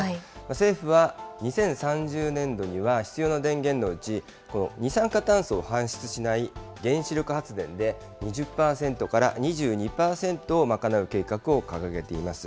政府は２０３０年度には、必要な電源のうちこの二酸化炭素を排出しない原子力発電で２０％から２２％を賄う計画を掲げています。